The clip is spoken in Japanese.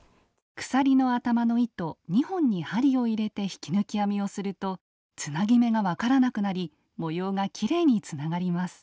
鎖の頭の糸２本に針を入れて引き抜き編みをするとつなぎ目が分からなくなり模様がきれいにつながります。